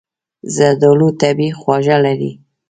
زردالو طبیعي خواږه لري.